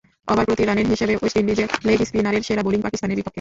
ওভারপ্রতি রানের হিসাবে ওয়েস্ট ইন্ডিজের লেগ স্পিনারের সেরা বোলিং পাকিস্তানের বিপক্ষে।